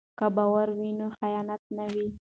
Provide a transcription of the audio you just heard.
که باور وي نو خیانت نه وي.